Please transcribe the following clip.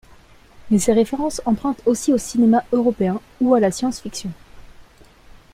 Mais ses références empruntent aussi au cinéma européen ou à la science-fiction.